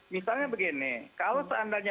misalnya begini kalau seandainya